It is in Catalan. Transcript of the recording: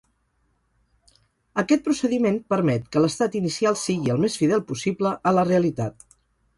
Aquest procediment permet que l'estat inicial sigui el més fidel possible a la realitat.